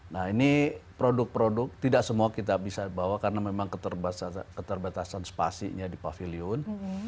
nah ini produk produk tidak semua kita bisa bawa karena memang keterbatasan spasinya di pavilion